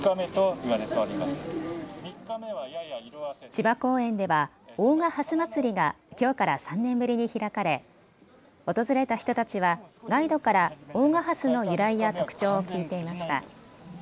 千葉公園では大賀ハスまつりがきょうから３年ぶりに開かれ訪れた人たちはガイドから大賀ハスの由来や特徴を聞いていました。